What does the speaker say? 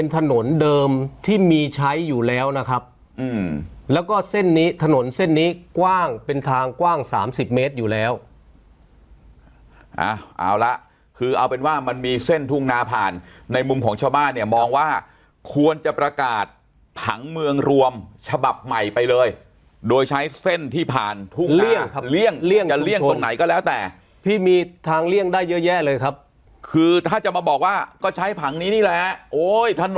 ถนนเดิมที่มีใช้อยู่แล้วนะครับแล้วก็เส้นนี้ถนนเส้นนี้กว้างเป็นทางกว้างสามสิบเมตรอยู่แล้วเอาละคือเอาเป็นว่ามันมีเส้นทุ่งนาผ่านในมุมของชาวบ้านเนี่ยมองว่าควรจะประกาศผังเมืองรวมฉบับใหม่ไปเลยโดยใช้เส้นที่ผ่านทุ่งเลี่ยงครับเลี่ยงจะเลี่ยงตรงไหนก็แล้วแต่พี่มีทางเลี่ยงได้เยอะแยะเลยครับคือถ้าจะมาบอกว่าก็ใช้ผังนี้นี่แหละโอ้ยท่าน